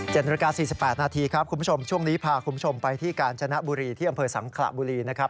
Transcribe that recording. นาฬิกา๔๘นาทีครับคุณผู้ชมช่วงนี้พาคุณผู้ชมไปที่กาญจนบุรีที่อำเภอสังขระบุรีนะครับ